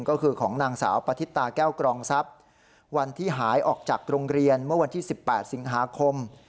ก็คือของนางสาวปฏิตาแก้วกรองทรัพย์วันที่หายออกจากโรงเรียนเมื่อวันที่๑๘สิงหาคม